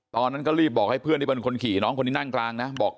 ตอนนั้นก็รีบบอกให้เพื่อนที่เป็นคนขี่น้องคนนี้นั่งกลางนะบอก